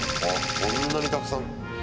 こんなに、たくさん。